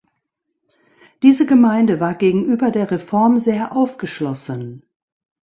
Diese Gemeinde war gegenüber der Reform sehr aufgeschlossen.